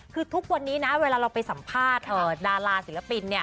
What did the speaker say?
คือทุกวันนี้นะเวลาเราไปสัมภาษณ์ดาราศิลปินเนี่ย